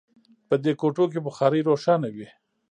په دې کوټو کې بخارۍ روښانه وي